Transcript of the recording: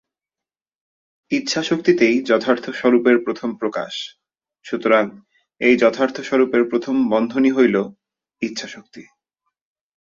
ইচ্ছাশক্তিতেই যথার্থ স্বরূপের প্রথম প্রকাশ, সুতরাং এই যথার্থ স্বরূপের প্রথম বন্ধনই হইল ইচ্ছাশক্তি।